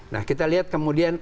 nah kita lihat kemudian